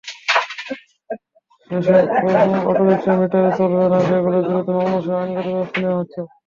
যেসব অটোরিকশা মিটারে চলবে না, সেগুলোর বিরুদ্ধে মামলাসহ আইনগত ব্যবস্থা নেওয়া হচ্ছে।